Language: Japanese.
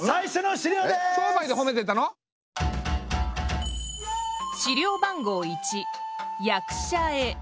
資料番号１役者絵。